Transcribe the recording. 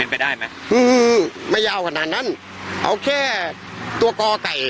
เป็นไปได้ไหมอืมไม่ยาวขนาดนั้นเอาแค่ตัวกอไก่